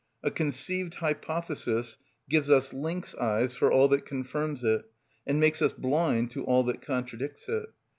A conceived hypothesis gives us lynx eyes for all that confirms it, and makes us blind to all that contradicts it.